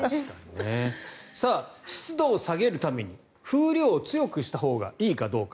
湿度を下げるために風量を強くしたほうがいいかどうか。